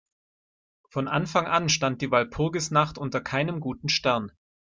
Von Anfang an stand die Walpurgisnacht unter keinem guten Stern.